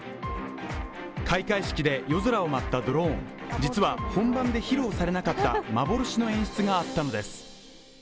開会式で夜空を待ったドローン、実は本番で披露されなかった幻の演出があったのです。